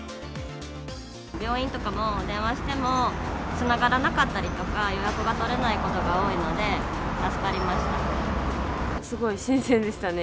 病院とかも、電話してもつながらなかったりとか、予約が取れないことが多いのすごい新鮮でしたね。